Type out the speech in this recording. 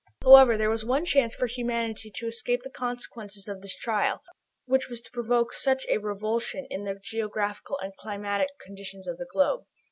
However, there was one chance for humanity to escape the consequences of this trial, which was to provoke such revulsions in the geographical and climatic conditions of the globe.